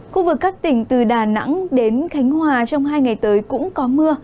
khu vực các tỉnh từ đà nẵng đến khánh hòa trong hai ngày tới cũng có mưa